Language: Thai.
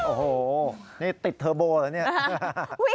โอ้โหนี่ติดเทอร์โบเหรอเนี่ย